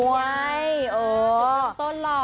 เฮ้ยเออปลูกต้นหรอ